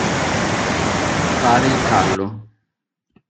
Fare il callo.